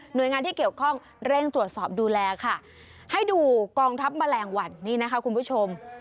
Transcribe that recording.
โดยงานที่เกี่ยวข้องเร่งตรวจสอบดูแลค่ะให้ดูกองทัพแมลงวันนี่นะคะคุณผู้ชม